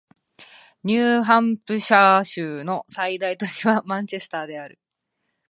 ニューハンプシャー州の最大都市はマンチェスターである